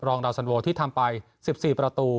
ดาวสันโวที่ทำไป๑๔ประตู